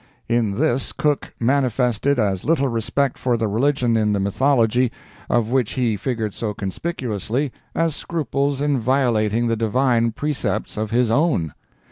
In this Cook manifested as little respect for the religion in the mythology of which he figured so conspicuously, as scruples in violating the divine precepts of his own.